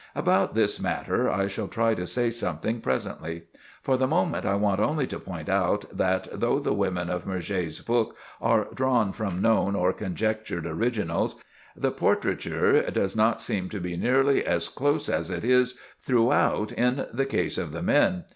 About this matter I shall try to say something presently. For the moment I want only to point out that, though the women of Murger's book are drawn from known or conjectured originals, the portraiture does not seem to be nearly as close as it is throughout in the case of the men.